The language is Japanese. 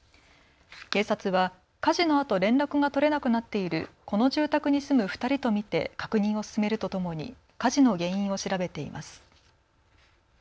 警察は火事のあと連絡が取れなくなっているこの住宅に住む２人と見て確認を進めるとともに火事の原因を調べています。